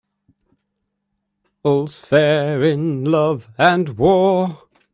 All's fair in love and war.